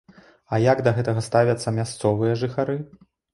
А як да гэтага ставяцца мясцовыя жыхары?